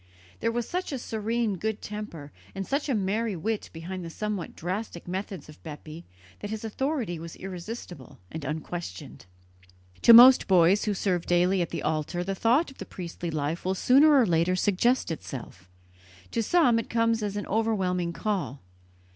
There was such a serene good temper and such a merry wit behind the somewhat drastic methods of Bepi that his authority was irresistible and unquestioned. To most boys who serve daily at the altar the thought of the priestly life will sooner or later suggest itself; to some it comes as an overwhelming call.